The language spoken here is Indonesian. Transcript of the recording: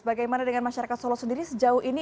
bagaimana dengan masyarakat solo sendiri sejauh ini